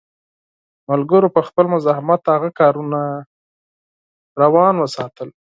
ملګرو په خپل مزاحمت هغه کارونه جاري وساتل.